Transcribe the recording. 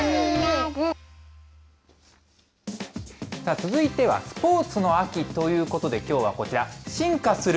続いては、スポーツの秋ということで、きょうはこちら、進化する！